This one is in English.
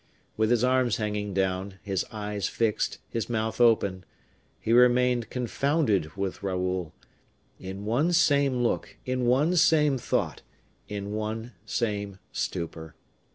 With his arms hanging down, his eyes fixed, his mouth open, he remained confounded with Raoul in one same look, in one same thought, in one same stupor.